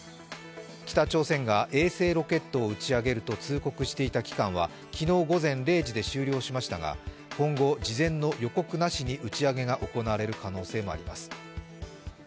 北朝鮮が衛星ロケットを打ち上げると通告していた期間は昨日午前０時で終了しましたが、今後、事前の予告なしに打ち上げが行われる可能性があります。